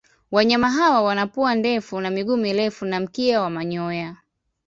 Wanyama hawa wana pua ndefu na miguu mirefu na mkia wa manyoya.